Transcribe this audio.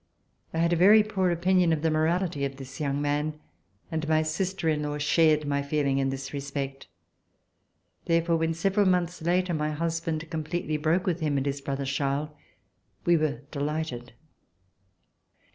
I had a very poor opinion of the morality of this young man, and my sister in law shared my feeling in this respect. Therefore, when several months later my husband completely broke with him and his brother Charles, we were delighted.